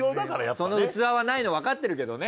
その器はないのわかってるけどね。